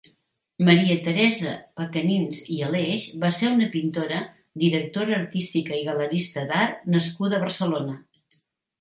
Maria Teresa Pecanins i Aleix va ser una pintora, directora artística i galerista d'art nascuda a Barcelona.